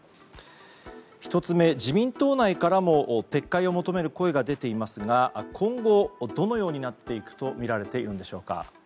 １つ目、自民党内からも撤回を求める声が出ていますが今後、どのようになっていくとみられているんでしょうか？